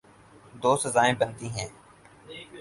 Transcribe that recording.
دو سزائیں بنتی ہیں۔